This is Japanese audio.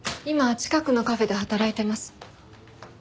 今は近くのカフェで働いてます。